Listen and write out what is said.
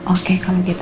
oke kalau gitu